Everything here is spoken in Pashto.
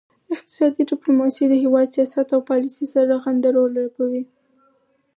اقتصادي ډیپلوماسي د هیواد سیاست او پالیسي سره رغند رول لوبوي